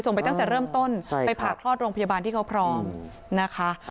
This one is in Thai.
ไปตั้งแต่เริ่มต้นไปผ่าคลอดโรงพยาบาลที่เขาพร้อมนะคะ